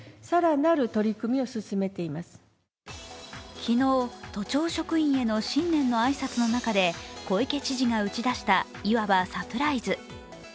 昨日、都庁職員への新年の挨拶の中で小池知事が打ち出したいわばサプライズ。